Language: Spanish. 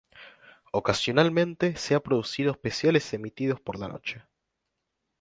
Ocasionalmente se ha producido especiales emitidos por la noche.